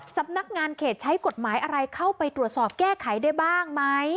สำนักงานเขตใช้กฎหมายอะไรเข้าไปตรวจสอบแก้ไขได้บ้างไหม